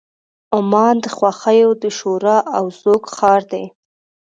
عمان د خوښیو د شور او زوږ ښار دی.